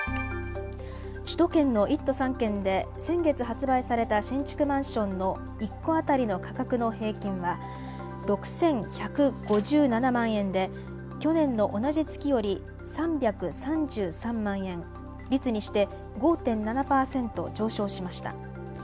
首都圏の１都３県で先月発売された新築マンションの１戸当たりの価格の平均は６１５７万円で去年の同じ月より３３３万円、率にして５．７％上昇しました。